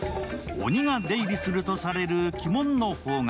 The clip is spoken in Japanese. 鬼が出入りするとされる鬼門の方角。